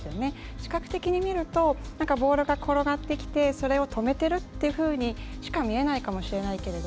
視覚的に見るとボールが転がってきてそれを止めているというふうにしか見えないかもしれないけど